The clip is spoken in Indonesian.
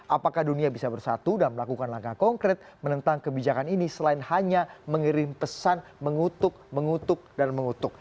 apakah dunia bisa bersatu dan melakukan langkah konkret menentang kebijakan ini selain hanya mengirim pesan mengutuk mengutuk dan mengutuk